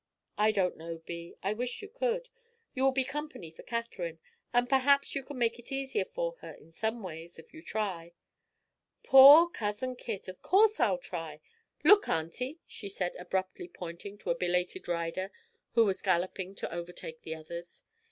"I don't know, Bee I wish you could. You will be company for Katherine, and perhaps you can make it easier for her, in some ways, if you try." "Poor Cousin Kit! Of course I'll try! Look, Aunty," she said, abruptly pointing to a belated rider who was galloping to overtake the others.